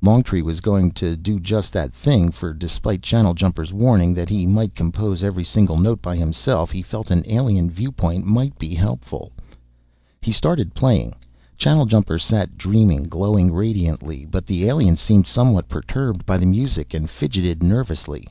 Longtree was going to do just that thing, for despite Channeljumper's warning that he must compose every single note by himself, he felt an alien viewpoint might be helpful. He started playing. Channeljumper sat dreaming, glowing radiantly, but the alien seemed somewhat perturbed by the music and fidgeted nervously.